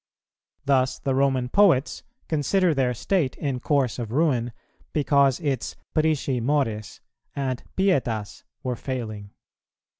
Thus the Roman Poets consider their State in course of ruin because its prisci mores and pietas were failing.